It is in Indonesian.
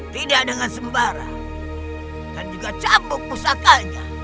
tidak dengan sembarang dan juga cambuk pusakanya